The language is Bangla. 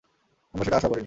আমরা সেটা আশাও করিনি।